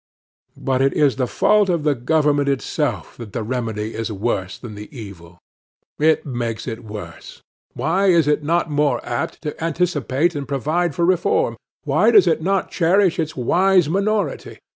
But it is the fault of the government itself that the remedy is worse than the evil. It makes it worse. Why is it not more apt to anticipate and provide for reform? Why does it not cherish its wise minority?